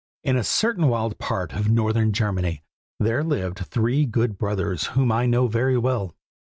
In a certain wild part of northern Germany, there lived three good brothers whom I know very well.